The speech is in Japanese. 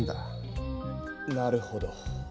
なるほど。